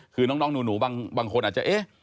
คือน้องหนูบางคนอาจจะเอ๊ะ